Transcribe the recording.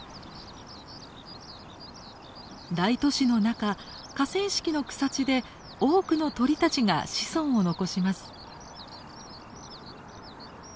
大都市の中河川敷の草地で多くの鳥たちが子孫を残します。